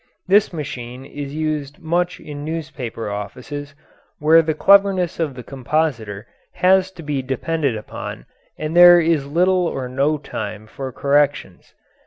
This machine is used much in newspaper offices, where the cleverness of the compositor has to be depended upon and there is little or no time for corrections.